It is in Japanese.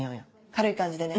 軽い感じでね。